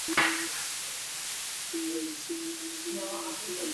Komise nám předloží tuto zprávu spolu s návrhem.